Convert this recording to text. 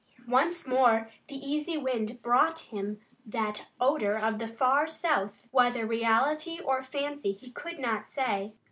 Once more the easy wind brought him that odor of the far south, whether reality or fancy he could not say.